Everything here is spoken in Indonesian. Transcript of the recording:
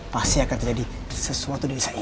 pasti akan terjadi sesuatu di usaha ini